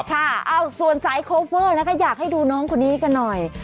ค่ะเอาส่วนไซค์โคเฟอร์นะครับอยากให้ดูน้องคุณทิกกันหน่อย